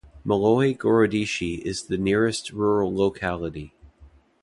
Maloye Gorodishche is the nearest rural locality.